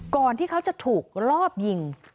ก่อนที่เขาจะถูกลอบยิง